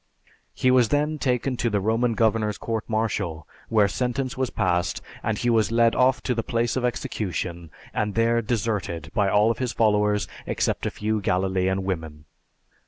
He was then taken to the Roman governor's court martial, where sentence was passed and he was led off to the place of execution and there deserted by all his followers except a few Galilean women.